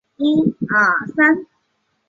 在海拔的地方主要是白欧石楠和刺柏。